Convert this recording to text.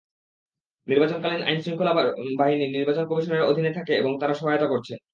নির্বাচনকালীন আইনশৃঙ্খলা বাহিনী নির্বাচন কমিশনের অধীনে থাকে এবং তারা সহায়তা করছে।